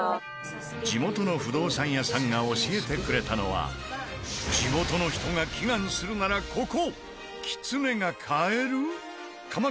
地元の不動産屋さんが教えてくれたのは地元の人が祈願するならここ！